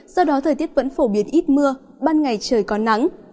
do đó thời tiết vẫn phổ biến ít mưa ban ngày trời có nắng